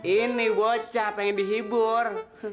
ini ibu ocha pengen dihibur